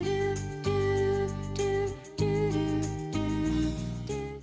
duh duh duh duh duh duh duh